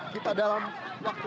kita dalam waktu